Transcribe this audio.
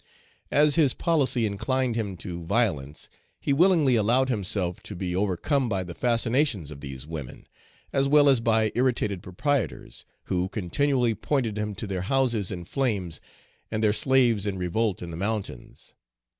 As his policy inclined him to violence, he willingly allowed himself to be overcome by the fascinations of these women, as well as by irritated proprietors, who continually pointed him to their houses in flames, and their slaves in revolt in the mountains.